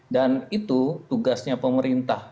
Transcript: dan itu tugasnya pemerintah